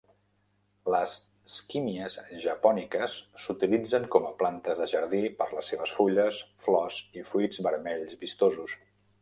Les skimmias japonicas s'utilitzen com a plantes de jardí per les seves fulles, flors i fruits vermells vistosos.